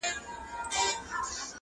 وچ لانده بوټي يې ټوله سوځوله،